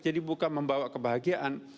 jadi bukan membawa kebahagiaan